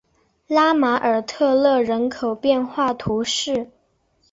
拉马尔特勒人口变化图示